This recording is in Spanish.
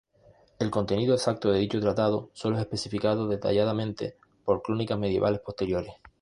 El contenido exacto de dicho tratado solo es especificado detalladamente por crónicas medievales posteriores.